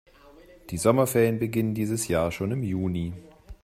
Die Sommerferien beginnen dieses Jahr schon im Juni.